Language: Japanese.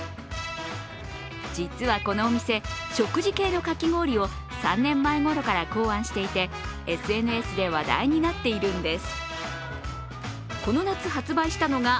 実はこのお店、食事系のかき氷を３年前ごろから考案していて、ＳＮＳで話題になっているんです。